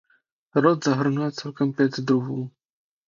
Rod zahrnuje celkem pět druhů.